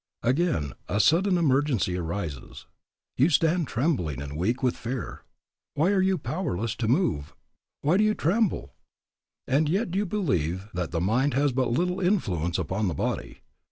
Again, a sudden emergency arises. You stand trembling and weak with fear. Why are you powerless to move? Why do you tremble? And yet you believe that the mind has but little influence upon the body.